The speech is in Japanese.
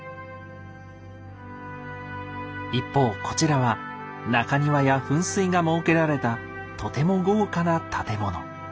一方こちらは中庭や噴水が設けられたとても豪華な建物。